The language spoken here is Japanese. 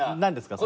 それ。